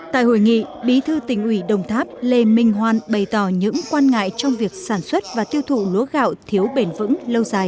tại hội nghị bí thư tỉnh ủy đồng tháp lê minh hoan bày tỏ những quan ngại trong việc sản xuất và tiêu thụ lúa gạo thiếu bền vững lâu dài